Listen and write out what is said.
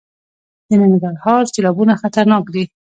د ننګرهار سیلابونه خطرناک دي